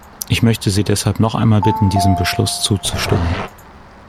Ich möchte Sie deshalb noch einmal bitten, diesem Beschluss zuzustimmen.